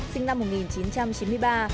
sinh năm một nghìn chín trăm chín mươi ba